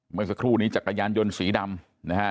เมื่อสักครู่นี้จากกายานยนต์สีดำ